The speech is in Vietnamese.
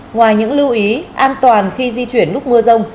ngoài những lưu ý an toàn khi di chuyển lúc mưa rông